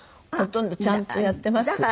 ほとんどちゃんとやってます。